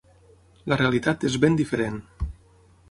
La realitat és ben diferent.